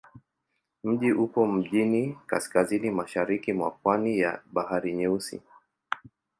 Mji upo mjini kaskazini-mashariki mwa pwani ya Bahari Nyeusi.